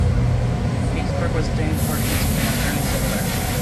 Keenesburg was named for Les Keene, an early settler.